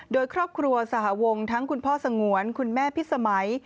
โดยครอบครัวสหวงทั้งคุณพ่อสงวนคุณแม่พิษสมัย